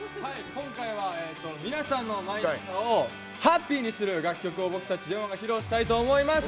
今回は皆さんをハッピーにする楽曲を僕たちＪＯ１が披露したいと思います。